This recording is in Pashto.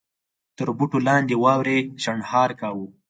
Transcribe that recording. تر بوټو لاندې واورې شڼهار کاوه.